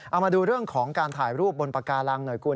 เอามาดูเรื่องของการถ่ายรูปบนปากาลังหน่อยคุณ